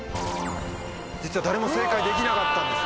実は誰も正解できなかったんです。